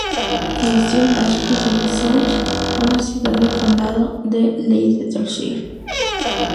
Nació en Ashby-de-la-Zouch, una ciudad del condado de Leicestershire.